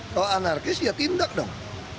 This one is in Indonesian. kalau anarkis ya tindak dong